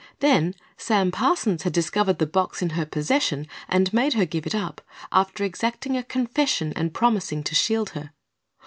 Then Sam Parsons had discovered the box in her possession and made her give it up, after exacting a confession and promising to shield her.